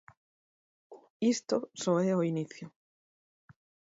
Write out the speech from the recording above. Isto só é o inicio.